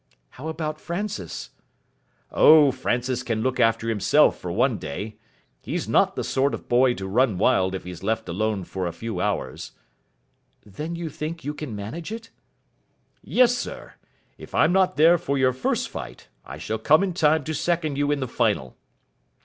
"How about Francis?" "Oh, Francis can look after himself for one day. He's not the sort of boy to run wild if he's left alone for a few hours." "Then you think you can manage it?" "Yes, sir. If I'm not there for your first fight, I shall come in time to second you in the final."